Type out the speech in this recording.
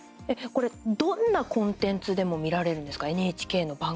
これ、どんなコンテンツでも見られるんですか？